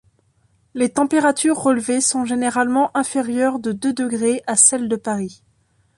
Les températures relevées sont généralement inférieures de deux degrés à celle de Paris.